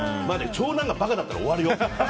長男がバカだったら終わるよ。